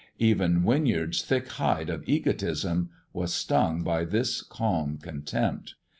Even Winyard's thick hide of egotism was stung by this calm contempt.